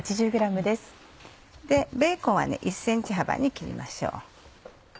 ベーコンは１ｃｍ幅に切りましょう。